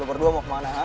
lo berdua mau kemana hah